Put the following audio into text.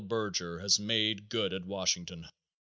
Berger has made good at Washington.